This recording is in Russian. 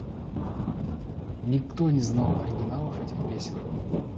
Никто не знал оригиналов этих песен.